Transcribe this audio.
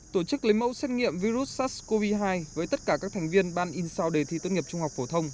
tổ chức lấy mẫu xét nghiệm virus sars cov hai với tất cả các thành viên ban in sau đề thi tốt nghiệp trung học phổ thông